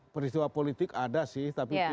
peristiwa politik ada sih